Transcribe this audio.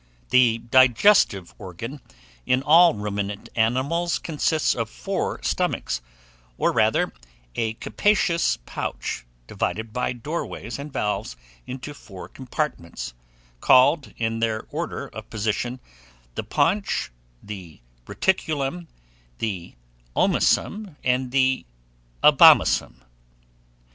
_ The digestive organ in all ruminant animals consists of four stomachs, or, rather, a capacious pouch, divided by doorways and valves into four compartments, called, in their order of position, the Paunch, the Reticulum, the Omasum, and the Abomasum.